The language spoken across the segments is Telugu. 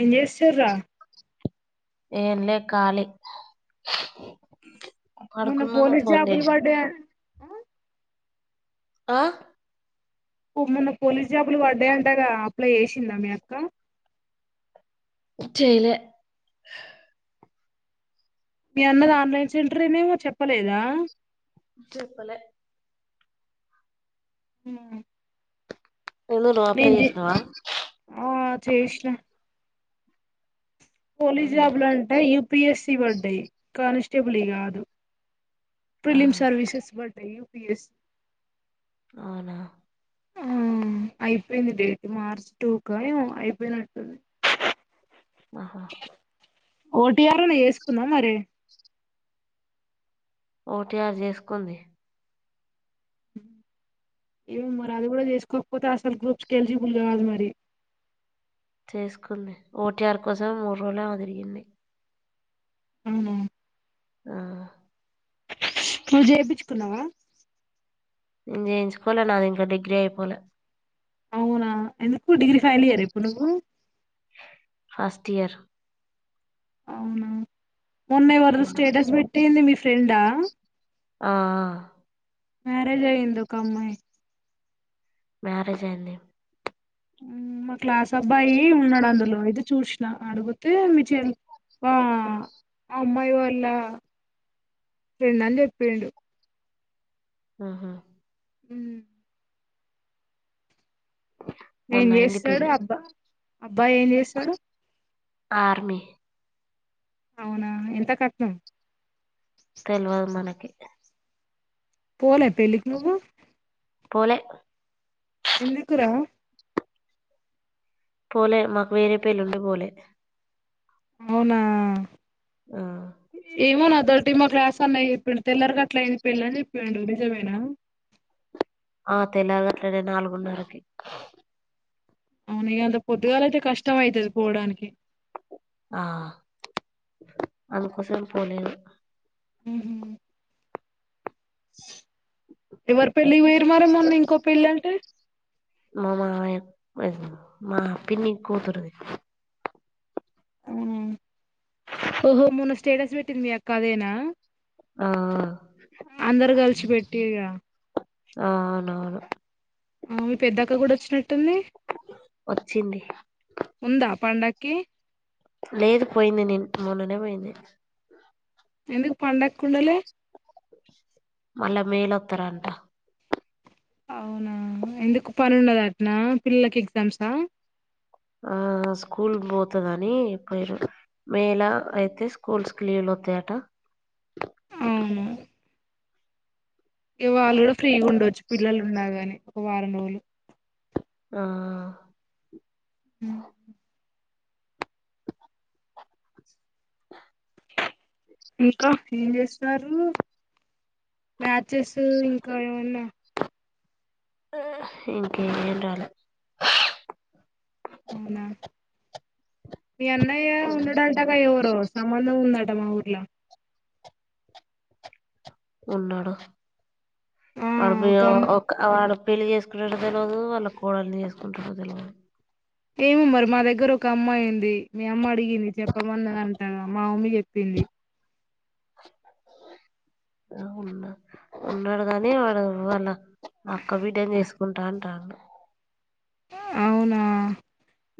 ఏం చేస్తురా ఏం లేదు ఖాళీ మొన్న పడుకున్నా నువ్వు పోలీస్ ఫోన్ జాబులు చేసినవ్ వడ్డాయాన్ ఆ పో మొన్న పోలీస్ జాబులు పడ్డాయంటగా అప్లై చేసిందా మీ అక్క చేయాలే మీ అన్నది ఆన్లైన్ సెంటర్ నేమో చెప్పలేదా చెప్పాలే ఉ ఆ నువ్వు నువ్వు అప్లై విన్జ్ చేసినావా ఆ చేసిన పోలీస్ జాబులు అంటే యుపిఎస్సి పడ్డాయి కానిస్టేబుల్యి కాదు ప్రిలిమ్ ఆహా సర్వీసెస్ పడ్డాయి యుపిఎస్సి అవునా హా అయిపోయింది డేట్ మార్చ్ టూ కా ఏమో అయిపోయినట్టుంది ఆహా ఓటి ఆర్ అన్న చేసుకుందా మరి ఓటిఆర్ చేసుకుంది ఏమో మరి అది కూడా చేసుకోకపోతే అసలు గ్రూప్స్ ఎలిజిబుల్ కాదు మరి చేసుకుంది ఓటీఆర్ కోసం మూడు రోజులు ఏమో తిరిగింది అవునా ఆ నువ్వు చెపిచ్చుకున్నావా నేను జయించుకోలే నాది ఇంకా డిగ్రీ అయిపోలే అవునా ఎందుకు డిగ్రీ ఫైనల్ ఇయర్ హ ఇప్పుడు నువ్వు ఫస్ట్ ఇయర్ అవునా మొన్న ఎవరిదో స్టేటస్ పెట్టింది మీ ఫ్రెండా ఆఆ మ్యారేజ్ అయ్యింది ఒక అమ్మాయికి మ్యారేజ్ అయింది మా క్లాస్ అబ్బాయి ఉన్నాడు అందులో అయితే చూసినా అడిగితే మీ చెల్ ఆ అమ్మాయి వాళ్ళ ఫ్రెండ్ అని చెప్పిడు ఆహా ఉమ్ ఏం మొన్న అయింది చేస్తాడు పెళ్లి అబ్బా అబ్బాయి ఏం చేస్తాడు ఆర్మి అవునా ఎంత కట్నం తెలువదు మనకి పోలే పెళ్లికి నువ్వు పోలేె ఎందుకు రా పోలేె మకువేరే పెళ్లి ఉండి పోలేె అవునా ఆ ఏమోనా దర్టీ మా క్లాస అన్నా ఇప్పుడు తెల్లర గట్ల అయింది పెళ్ళని చెప్పిడు నిజమేనా ఆ తెలర్గట్ల నాలుగున్నరకి అవును ఇగ అంత పొద్దుగాల అయితే కష్టం అయితది పోవడానికి ఆ అందుకోసమే పోలేదు ఉ హు ఎవరి పెళ్ళికి పోయిర్రు మరి మొన్న ఇంకో పెళ్ళి అంటే మా మామయ్య మా పిన్ని కూతురు ఆ ఓహో మొన్న స్టేటస్ పెట్టింది మీ అక్క అదేన ఆఆ అందరు కలిసి పెట్టిల్లుగా ఆ అవునవును హు మీ పెద్దక్క కూడా వచ్చినట్టుంది ఉంది వచ్చింది ఉందా పండ ఓకే లేదు పోయింది నిను మొన్ననే పోయింది ఎందుకు పండక్కి ఉండలే మళ్ళా మేలొత్తారఅంట అవునా ఎందుకు పని ఉన్నదటన్న పిల్లలకి ఎగ్జామ్సా ఆ స్కూల్ పోతది అని మేల అయితే స్కూల్స్ లీవులు వస్తాయట అవును ఇ వాళ్ళు కూడా ఫ్రీగా ఉండవచ్చు పిల్లలు ఉండగాని ఒక వారం రోజులు ఆ మ్ ఇంకా ఏం చేస్తున్నార్రూ మ్యాచెస్ ఇంకా ఏమన్నా మ్ ఇంకేంరాల అవునా మీ అన్నయ్య ఉండటంగా ఎవరో సంబంధం ఉన్నాడు మా ఊర్లా ఉన్నాడు ఆ వాడు మీ అమ్ ఒక వాడు పెళ్లి చేసుకున్నటు తెలియదు వాళ్ళ కోడల్నిని చేసుకుంటడో తెలియదు ఏమో మరి మా దగ్గర ఒక అమ్మయి ఉంది మీ అమ్మ అడిగింది చెప్పమన్నరంట మా మమ్మీ చెప్పింది అది ఆ ఉన్నా ఉన్నాడు గాని వాడు వాళ అక్క బిడని చేసుకుంటాఅంటాండు అవునా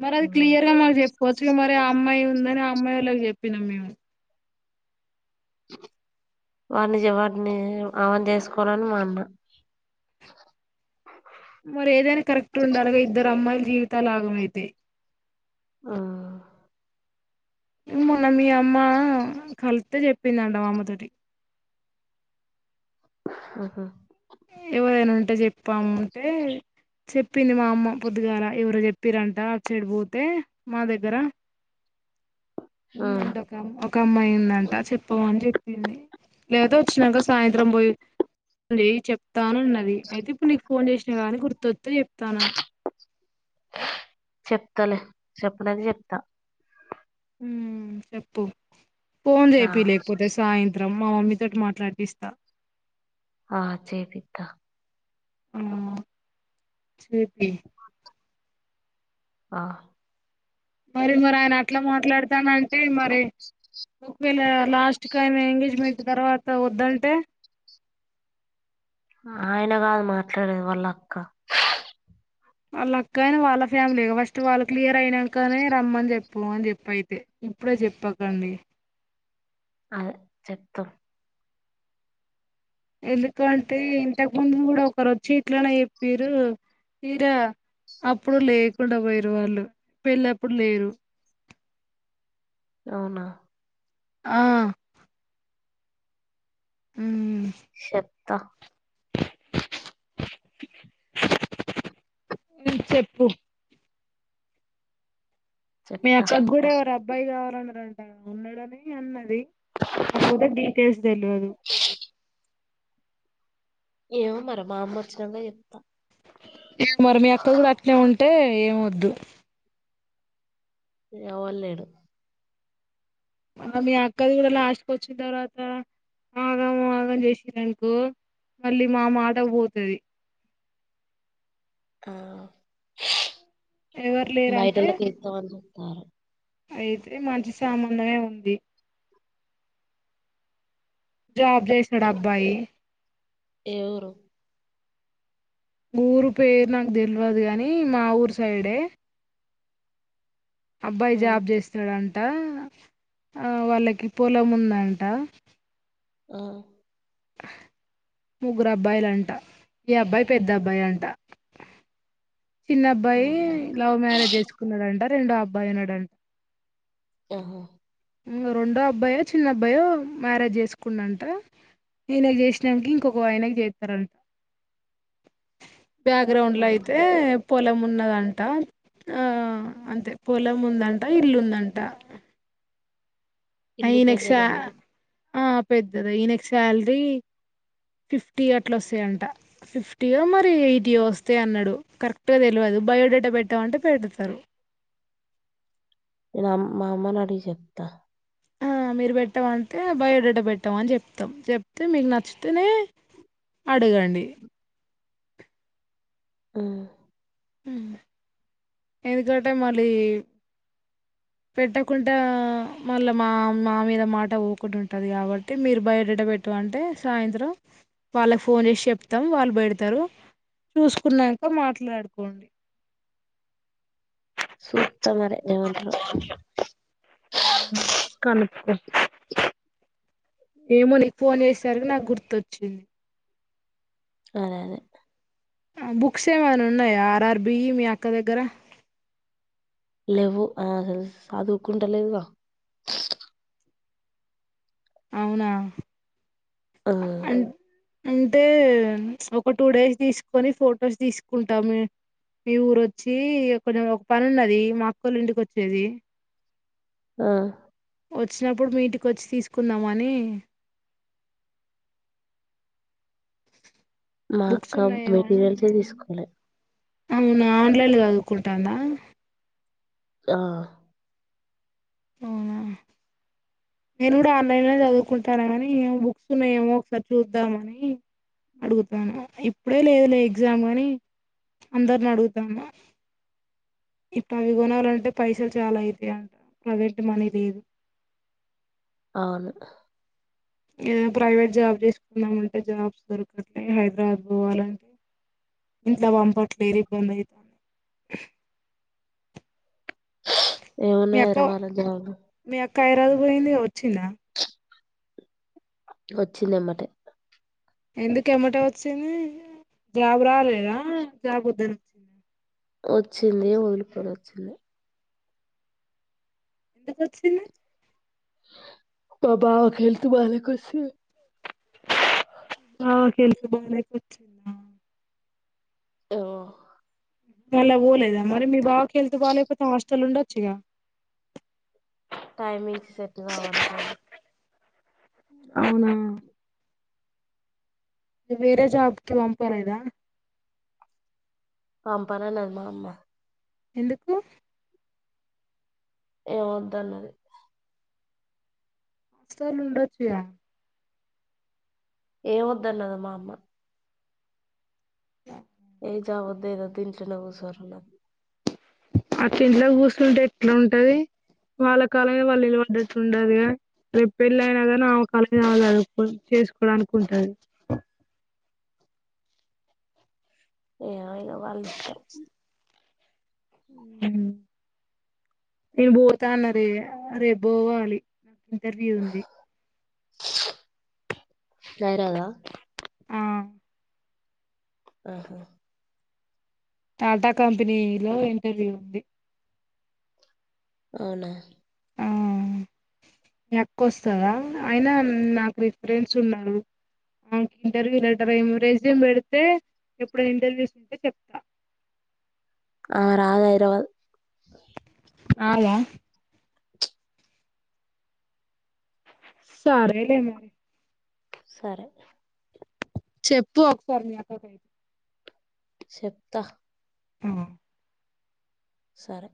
మరి అది క్లియర్గా మన చెప్పుకోవచ్చు మరి ఆ అమ్మాయి అమ్మయివొళకి చెప్పినం మేము వాడిని వాడిని ఆమన్ చేసుకోవాలని మా అన్న మరి ఏదైనా కరెక్ట్ ఉండిలిగా ఇద్దరు అమ్మాయిల జీవితాలు ఆగమైతయ్ మ్ మొన్న మీ అమ్మ కలిత్తె చెప్పిందంట మాఅమ్మతోటి ఆహా ఎదైనా ఉంటే చెప్పాముంటే చెప్పింది మా అమ్మ పొద్దుగాల ఎవరో చెప్పిరంట అప్సైడ్ పోతే మా దగ్గర ఉమ్ ఉందంట ఒకమ్ ఒక అమ్మాయి ఉందంట చెప్పమని చెప్పింది లేదా వచ్చినాక సాయంత్రం పోయి అ చెప్తానున్నది అయితే ఇప్పుడు నీకు ఫోన్ చేసిన గానీ గుర్తొస్తె చెప్తాను చెప్తలే చెప్పలేనికి చెప్తా మ్ చెప్పు ఫోన్ ఆ చెపి లేకపోతే సాయంత్రం మా మమ్మీ తోటి మాట్లాడిపిస్తా ఆ చేేపిత్తా మ్ చేపియ్ ఆ మరి మరి ఆయన అట్లా మాట్లాడతానంటే మరి ఒకవేళ లాస్ట్ కని ఎంగేజ్మెంట్ తర్వాత వద్దంటే ఆయన కాదు మాట్లాడేది వాళ్ళ అక్క వాళ్ళ అక్కైన వాళ్ళ ఫ్యామిలీ ఫస్ట్ వాళ్ళ క్లియర్ అయినాకనే రమ్మని చెప్పు అని చెప్పు అయితే ఇప్పుడే చెప్పకండి అదె చెప్తం ఎందుకంటే ఇంతకు ముందు కూడా ఒకరు వచ్చి ఇట్లనే చెప్పీరు తీరా అప్పుడు లేకుండా పోయారు వాళ్ళు పెళ్ళప్పుడు లేరు అవునా ఆ ఉమ్.. చెప్తా చెప్పు మీ చెప్తా అక్కకు కూడా ఎవరొ అబ్బాయి కావాలన్నదంట ఉన్నాడని అన్నది కాకపోతా డీటెయిల్స్ తెల్వదు ఏమ మర మాఅమ్మ వచ్చినంగా మరి మీ అక్క కూడా అట్నే ఉంటే ఏమొద్దు ఎవ్వలు లేరు అ మీ అక్కది కూడా లాస్ట్క వచ్చిన తర్వాత ఆగం ఆగం చేసిర్రు మళ్ళీ మా మాట పోతది ఆ ఎవరు లేరంటే బయటల్లోకి ఇస్తమని చెప్తారు అయితే మంచి సంబంధమే ఉంది జాబ్ చేస్తాడు అబ్బాయి ఏ ఊరు ఊరు పేరు నాకు తెలవదు గాని మా ఊరు సైడే అబ్బాయి ఆ జాబ్ చేస్తాడంట ట ఆ వాళ్ళకి పొలం ఉందంట ఆ ముగ్గురు అబ్బాయిలు అంట ఈ అబ్బాయి పెద్ద అబ్బాయి అంట చిన్న అబ్బాయి అవునా లవ్ మ్యారేజ్ చేసుకున్నాడంట రెండో అబ్బాయి ఉన్నాడంట ఆహా రెండో అబ్బాయో చిన్న అబ్బాయో మ్యారేజ్ చేసుకుండు అంట ఈయనకి చేసినాకి ఇంకొక ఆయనకి చేత్తరంట బ్యాక్ గ్రౌండ్ ఆ, లో అయితే పొలము ఉన్నదంట ఆ అంతే పొలము ఉందంట ఇల్లుందంట ఇల్లు ఈయనకి శా పెద్దదేనా ఆ పెద్దదే ఈయనకు శాలరీ ఫిఫ్టీ అట్లా వస్తాయంట ఫిఫ్టీయో మరి ఎయిర్టియో వస్తాయన్నాడు అన్నాడు కరెక్ట్గా తెలవదు బయోడేటా పెట్టమంటే పెడతరు ఇన మా అమ్మ ని అడిగి చెప్తా ఆ మీరు పెట్టమంటే బయోడేట పెట్టామ అని చెప్తాం చెప్తే మీకు నచ్చితేనే అడగండి ఆ ఎందుకంటే మళ్ళీ పెట్టకుండా మళ్ళా మా మా మీద మాట పోకుండా ఉంటది కాబట్టి మీరు బయోడేటా పెట్టమంటే సాయంత్రం వాళ్ళకి ఫోన్ చేసి చెప్తాం వాళ్ళు పెడతారు చూసుకున్నాక మాట్లాడుకోండి సూత్త మరి ఏమంటారో కనుక్కో ఏమో నీకు ఫోన్ చేసేసరికి నాకు గుర్తొచ్చింది అదే అదే బుక్స్ ఏమైనా ఉన్నాయా ఆర్ ఆర్ బి ఈ మీ అక్క దగ్గర లెవ్వు అది అసలు సదువుకుంట లేదుగా అవునా ఆ అం అంటే ఒక టూ డేస్ తీసుకొని ఫొటోస్ తీసుకుంటామే మీ ఊరురోచ్చి కొంచెం ఒక పని ఉన్నది మా మా అక్కవొళ్ళు ఇంటికి వచ్చేది ఆ వచ్చినప్పుడు మీ ఇంటికి వచ్చి తీసుకుందామని మా బుక్స్ అక్క ఉన్నాయేమో మెటీరియల్సే తీసుకోలే అవును ఆన్లైన్లొ చదువుకుంటాందా ఆ ఆ నేను కూడా ఆన్లైన్ లో చదువుకుంటాను కానీ బుక్స్ ఉన్నా ఏమో ఒకసారి చూద్దాంమని అడుగుతాను ఇప్పుడే లేదులే ఎగ్జామ్ అని అందరిని అడుగుతాన ఇప్పుడు అవి కొనాలంటే పైసలు చాలా అవుతాయి అంట ప్రవెట్ మనీ లేదు అవును ప్రైవేట్ జాబ్ చేసుకున్నామంటే జాబ్స్ దొరకట్లే హైదరాబాద్ పోవాలంటే ఇంట్లో పంపట్లేరు ఇబ్బంది అవుతంది ఏమన్నా హదరవళ్ళ జర [unintelligible] పోయింది వచ్చింద వచ్చింది ఎమ్మటే ఎందుకు ఏమాట్టే వచ్చింది జ్రాబ్ రాలేదా జ్రాబ్ వద్దని వచ్చింది వచ్చిందయే వదిలిపోన వచ్చింద ఎందుకోచ్చింది [unintelligible] [unintelligible] అ మళ్ళా పోలేదా మరి మీ బాకిళ్తు బాగాలేకపోతే హాస్టల్ ఉండొచ్చుగా టైమింగ్స్ సెట్ గావ్ అని పోలే అవునా ఇ వేరే జాబ్కి పంపలేద ఆ [unintelligible] ఎందుకు ఏమఒద్ద అన్న అస్తాలు ఉండచ్చుయ ఏమోద్దన్నద మా అమ్మ [unintelligible] అతి ఇంట్లోకి కూర్చంటే ఎట్లా ఉంటది వాళ్ళ కాలంగా వాళ్ళీలు పడ్డట్టు ఉండదుగా రేపు పెళ్ళ అయినా కనీ ఆమె కళజ్ అవాల అను చేసుకోవడానికికుంటది ఏ అయిన వాళ్ళ ఇష్టం నేను పోతా అన్నారే రేపు పోవాలి ఇంటర్వ్యూ ఉంది [unintelligible] ఆ ఆహా టాటా కంపెనీ లో ఇంటర్వ్యూ ఉంది అవునా ఆ ఎక్క్క వస్తందా అయినా నాకు ఫ్రెండ్స్ ఉన్నారు ఇంటర్వ్యూ లెటర్ ఏ రెజ్యూమ్ పెడితే ఎప్పుడు ఇంటర్వ్యూస్ంటే చెప్తా ఆ [unintelligible] అదా సారే లెండి సరే చెప్పు ఒకసారి మీ చెప్త అ సరే